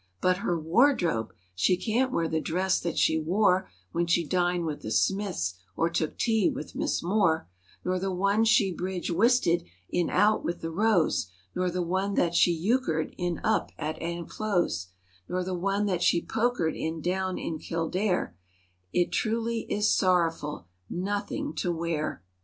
But her wardrobe! She can't wear the dress that she wore When she dined with the Smiths or took tea with Miss Moore; Nor the one she "bridge whisted" in out with the Roes ; Nor the one that she "euchred" in up at Aunt Flo's; Nor the one that she "pokered" in down in Kil¬ dare— It truly is sorrowful—"Nothing to wear."